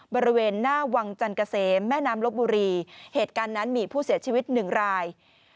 บริเวณหน้าวังจันเกษมแม่น้ำลบบุรีเหตุการณ์นั้นมีผู้เสียชีวิตหนึ่งราย